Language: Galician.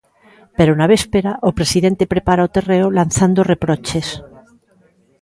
Pero na véspera, o presidente prepara o terreo lanzando reproches.